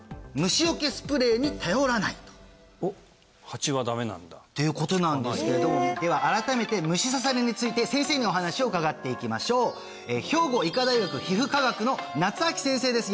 ハチはダメなんだ？っていうことなんですけれどもでは改めて虫刺されについて先生にお話を伺っていきましょう兵庫医科大学皮膚科学の夏秋先生です